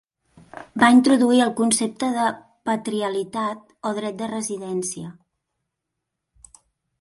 Va introduir el concepte de "patrialitat o dret de residència".